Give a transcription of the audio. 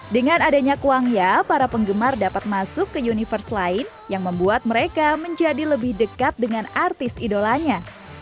dengan adanya kuangya para penggemar dapat masuk ke universe lain yang membuat mereka menjadi lebih dekat dengan artis idolanya